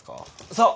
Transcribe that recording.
そう。